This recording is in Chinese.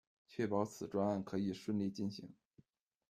确保此专案可以顺利进行